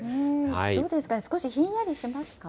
どうですかね、少しひんやりしますかね。